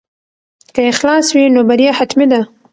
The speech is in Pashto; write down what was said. که اخلاص وي نو بریا حتمي ده.